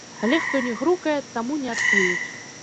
Але хто не грукае, таму не адкрыюць.